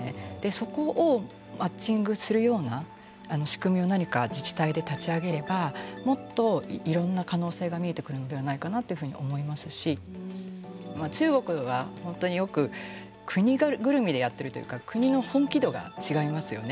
そこをマッチングするような仕組みを何か自治体で立ち上げればもっといろんな可能性が見えてくるのではないかなというふうに思いますし中国は本当によく国ぐるみでやっているというか国の本気度が違いますよね。